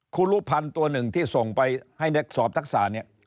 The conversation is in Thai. ครูรุภัณฑ์ตัวหนึ่งที่ส่งไปให้นักสอบทักษะเนี่ย